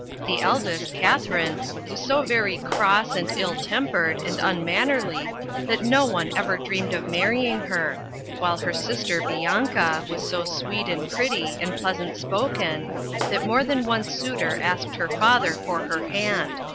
The eldest, Katharine, was so very cross and ill tempered, and unmannerly, that no one ever dreamed of marrying her, while her sister, Bianca, was so sweet and pretty, and pleasant spoken, that more than one suitor asked her father for her hand.